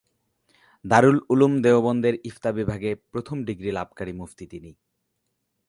দারুল উলুম দেওবন্দের ইফতা বিভাগে প্রথম ডিগ্রি লাভকারী মুফতি তিনি।